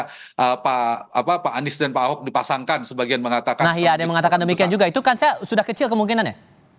saya melihat mereka lebih berpengaruh saya tidak percaya pak andis dan pak ahok dipasangkan sebagian mengatakan nah iya ada yang mengatakan demikian juga itu kan sudah kecil kemungkinannya